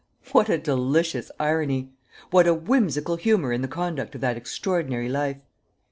What a delicious irony! What a whimsical humor in the conduct of that extraordinary life!